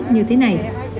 như thế này